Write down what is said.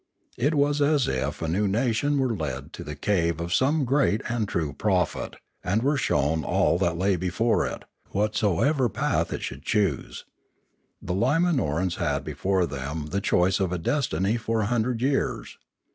It was as if a nation were led to the cave of some great and true prophet, and were shown all that lay before it, whatso ever path it should choose. The Limanorans had be fore them the choice of a destiny for a hundred years.